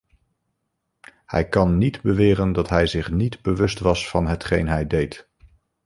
Hij kan niet beweren dat hij zich niet bewust was van hetgeen hij deed.